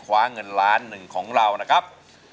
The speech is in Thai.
เวลาหนึ่งของเรานะครับ